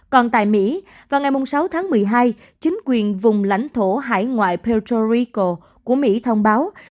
còn tại mỹ vào ngày sáu tháng một mươi hai chính quyền vùng lãnh thổ hải ngoại pelto rical của mỹ thông báo